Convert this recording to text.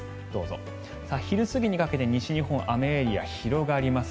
昼過ぎにかけて西日本、雨エリアが広がります。